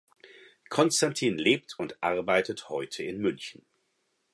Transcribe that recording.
Constantin lebt und arbeitet heute in München.